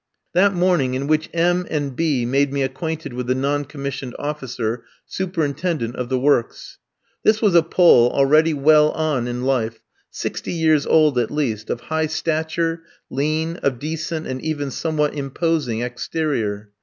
That morning, in which M tski and B. made me acquainted with the non commissioned officer, superintendent of the works. This was a Pole already well on in life, sixty years old at least, of high stature, lean, of decent and even somewhat imposing exterior.